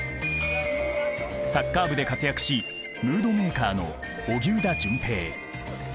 サッカー部で活躍しムードメーカーの荻生田隼平。